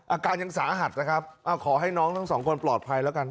อาการยังสาหัสนะครับขอให้น้องทั้งสองคนปลอดภัยแล้วกัน